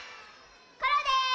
コロです。